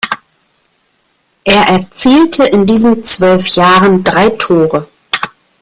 Er erzielte in diesen zwölf Jahren drei Tore.